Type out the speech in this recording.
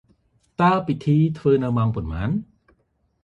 តើពិធីធ្វើនៅម៉ោងប៉ុន្មាន?